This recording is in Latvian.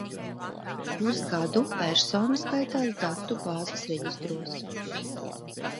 Pusgadu persona skaitās datubāzes reģistros.